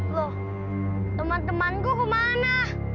loh teman temanku kemana